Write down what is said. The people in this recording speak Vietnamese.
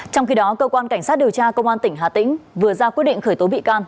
trong khi đó cơ quan cảnh sát điều tra công an tỉnh hà tĩnh vừa ra quyết định khởi tố bị can